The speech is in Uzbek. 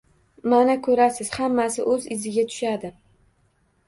Mana ko`rasiz, hammasi o`z iziga tushadi